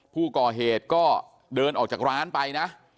ผู้ก่อเหตุก็เดินออกจากร้านไปนะ